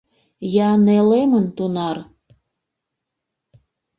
Я нелемын тунар